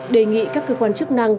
đề nghị các cơ quan chức năng